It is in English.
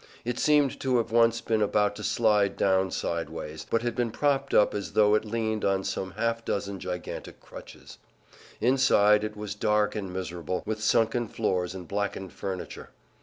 It seemed to have once been about to slide down sidewise, but had been propped up as though it leaned on some half dozen gigantic crutches. Inside it was dark and miserable, with sunken floors and blackened furniture.